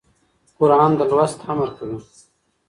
قرآن د لوست امر کوي.